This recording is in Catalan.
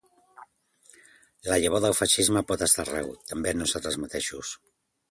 La llavor del feixisme pot estar arreu, també en nosaltres mateixos.